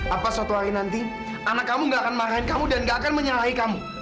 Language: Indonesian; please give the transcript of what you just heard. apa suatu hari nanti anak kamu gak akan marahin kamu dan gak akan menyalahi kamu